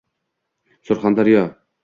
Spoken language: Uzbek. Surxondaryo